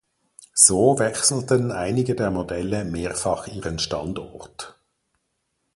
So wechselten einige der Modelle mehrfach ihren Standort.